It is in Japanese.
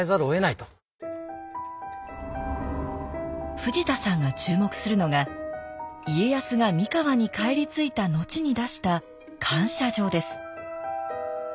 藤田さんが注目するのが家康が三河に帰り着いた後に出した感謝状です。